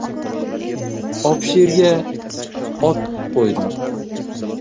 Obshirga ot qo‘ydim.